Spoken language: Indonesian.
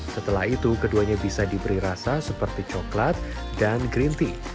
setelah itu keduanya bisa diberi rasa seperti coklat dan green tea